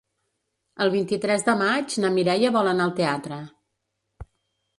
El vint-i-tres de maig na Mireia vol anar al teatre.